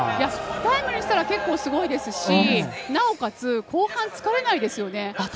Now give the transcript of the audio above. タイムにしたら結構すごいですしなおかつ、後半疲れないですよね。